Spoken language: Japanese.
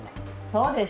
そうです